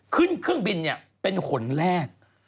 ขึ้นเครื่องบินเนี่ยเป็นคนแรก